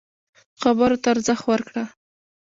خبرو ته ارزښت ورکړه.